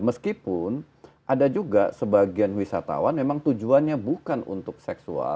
meskipun ada juga sebagian wisatawan memang tujuannya bukan untuk seksual